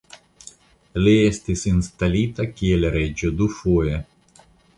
Li estis instalita kiel reĝo dufoje.